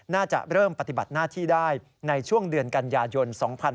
น่าจะเริ่มปฏิบัติหน้าที่ได้ในช่วงเดือนกันยายน๒๕๖๒